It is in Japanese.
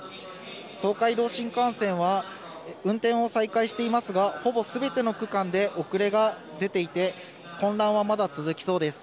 東海道新幹線は運転を再開していますが、ほぼすべての区間で遅れが出ていて、混乱はまだ続きそうです。